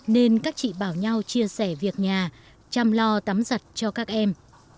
nên các chị bảo nhau chia sẻ việc nhà chăm lo tắm giặt cho các em